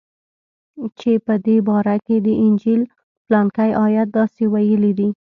چې په دې باره کښې د انجيل پلانکى ايت داسې ويلي دي.